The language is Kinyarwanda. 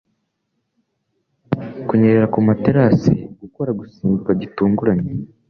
Kunyerera ku materasi, gukora gusimbuka gitunguranye,